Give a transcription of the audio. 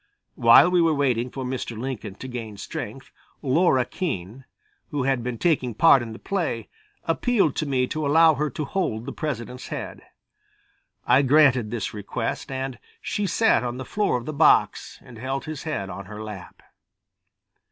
While we were waiting for Mr. Lincoln to gain strength Laura Keene, who had been taking part in the play, appealed to me to allow her to hold the President's head. I granted this request and she sat on the floor of the box and held his head on her lap.